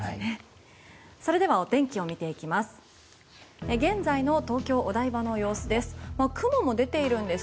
それではお天気を見ていきます。